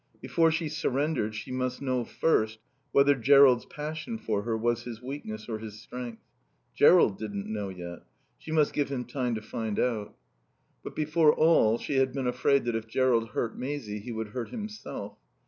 Before she surrendered she must know first whether Jerrold's passion for her was his weakness or his strength. Jerrold didn't know yet. She must give him time to find out. But before all she had been afraid that if Jerrold hurt Maisie he would hurt himself.